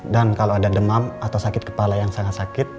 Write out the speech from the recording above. kalau ada demam atau sakit kepala yang sangat sakit